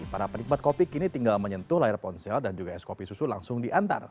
para penikmat kopi kini tinggal menyentuh layar ponsel dan juga es kopi susu langsung diantar